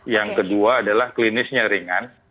yang kedua adalah klinisnya ringan